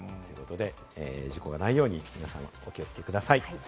事故がないように、皆さんも十分、お気をつけください。